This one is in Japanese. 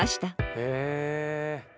へえ。